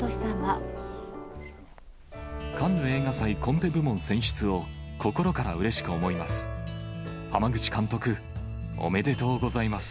カンヌ映画祭コンペ部門選出を、心からうれしく思います。